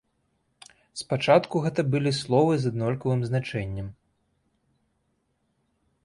Спачатку гэта былі словы з аднолькавым значэннем.